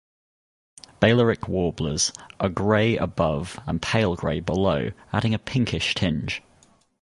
Balearic warblers are grey above and pale grey below, adding a pinkish tinge.